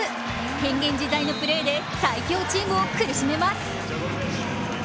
変幻自在のプレーで最強チームを苦しめます。